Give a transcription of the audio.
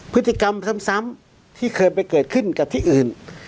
พฤติกรรมซ้ำที่เคยไปเกิดขึ้นกับที่อื่น